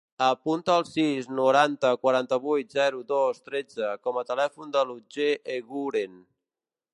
Apunta el sis, noranta, quaranta-vuit, zero, dos, tretze com a telèfon de l'Otger Eguren.